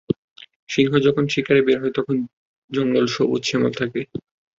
সিংহ যখন শিকারে বের হয় তখন জঙ্গল সবুজ-শ্যামল থাকে।